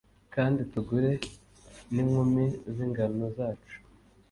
kandi tugure n’inkumbi z’ingano zacu?